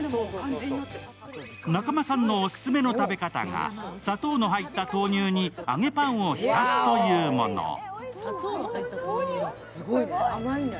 中間さんのオススメの食べ方が、砂糖の入った豆乳に揚げパンを浸すというもの。